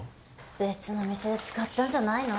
別の店で使ったんじゃないの？